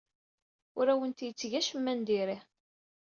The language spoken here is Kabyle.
Ur awent-yetteg acemma n diri.